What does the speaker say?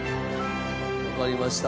わかりました。